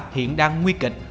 hiện đang nguy kịch